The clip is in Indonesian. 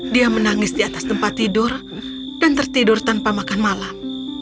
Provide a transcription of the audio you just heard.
dia menangis di atas tempat tidur dan tertidur tanpa makan malam